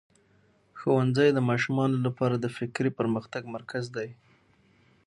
ښوونځی د ماشومانو لپاره د فکري پرمختګ مرکز دی.